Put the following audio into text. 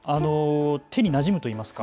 手になじむというのか。